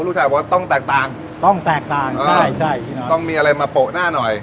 ชายบอกว่าต้องแตกต่างต้องแตกต่างใช่ใช่พี่น้องต้องมีอะไรมาโปะหน้าหน่อย